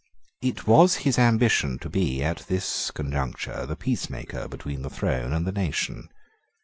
It was his ambition to be, at this conjuncture, the peacemaker between the throne and the nation.